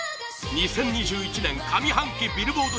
２０２１年上半期ビルボード